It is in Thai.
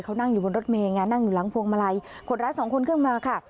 เขานั่งอยู่บนรถเมย์ไงนั่งอยู่หลังพวงมาลัยคนร้ายสองคนขึ้นมาค่ะ